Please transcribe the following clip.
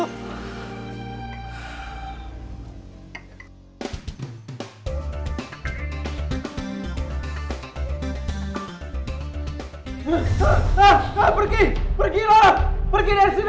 ah ah ah pergi pergilah pergi dari sini